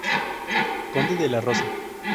Conde de La Rosa.